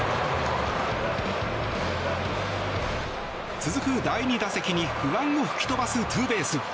続く第２打席に不安を吹き飛ばすツーベース。